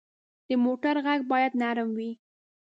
د موټر غږ باید نرم وي.